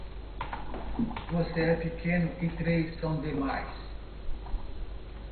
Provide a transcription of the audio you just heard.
Você é pequeno e três são demais.